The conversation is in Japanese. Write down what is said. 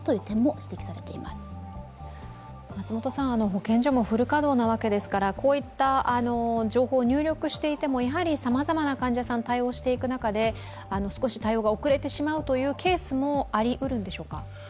保健所もフル稼働なわけですから、こういった情報に入力していてもさまざまな患者さん対応していく中で少し対応が遅れてしまうというケースもありうるんでしょうか？